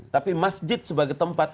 tapi masjid sebagai tempat